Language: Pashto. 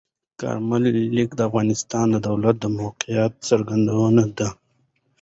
کارمل لیک د افغانستان د دولت د موقف څرګندونه ده.